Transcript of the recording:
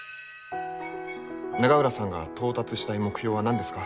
永浦さんが到達したい目標は何ですか？